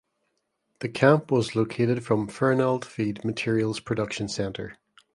The camp was located from Fernald Feed Materials Production Center.